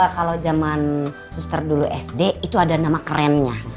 kalau zaman suster dulu sd itu ada nama kerennya